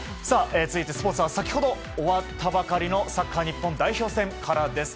続いて、スポーツは先ほど終わったばかりのサッカー日本代表戦からです。